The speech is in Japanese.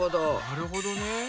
なるほどね。